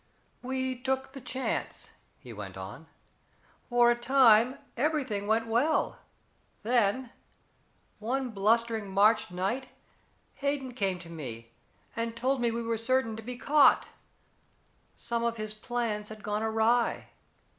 "We took the chance," he went on. "For a time everything went well. Then one blustering March night Hayden came to me and told me we were certain to be caught. Some of his plans had gone awry.